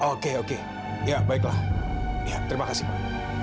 oke oke ya baiklah ya terima kasih pak